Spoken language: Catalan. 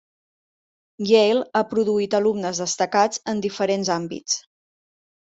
Yale ha produït alumnes destacats en diferents àmbits.